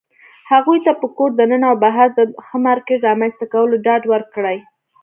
هغوى ته په کور دننه او بهر د ښه مارکيټ رامنځته کولو ډاډ ورکړى